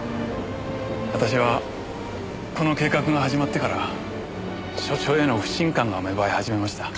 私はこの計画が始まってから所長への不信感が芽生え始めました。